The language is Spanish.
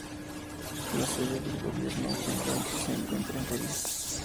La sede del gobierno general se encuentra en París.